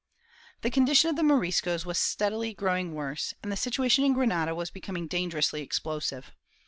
The condition of the Moriscos was steadily growing worse, and the situation in Granada was becoming dangerously explosive.